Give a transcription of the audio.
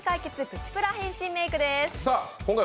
プチプラ変身メイクのコーナーです。